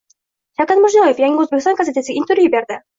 Shavkat Mirziyoyev “Yangi O‘zbekiston” gazetasiga intervyu berdi